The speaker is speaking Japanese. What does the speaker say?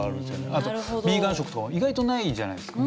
あとヴィーガン食とかも意外とないじゃないですか。